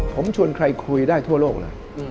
ผมชวนใครคุยได้ทั่วโลกนะ